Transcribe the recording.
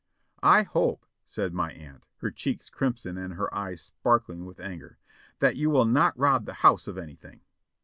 "I hope," said my aunt, her cheeks crimson and her eyes spark ling with anger, "that you will not rob the house of anything."